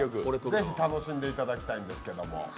ぜひ楽しんでいただきたいんですけれども。